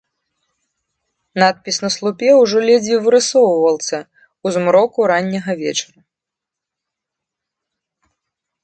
Надпіс на слупе ўжо ледзьве вырысоўваўся ў змроку ранняга вечара.